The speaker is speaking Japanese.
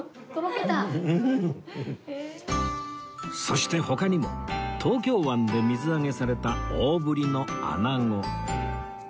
そして他にも東京湾で水揚げされた大ぶりの穴子